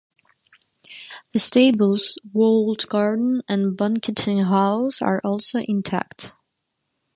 The stables, walled garden and Banqueting House are also intact.